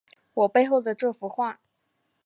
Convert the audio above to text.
我背后的这幅画